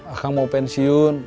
akang mau pensiun